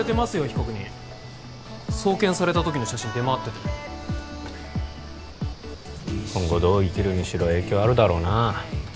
被告人送検された時の写真出回ってて今後どう生きるにしろ影響あるだろうな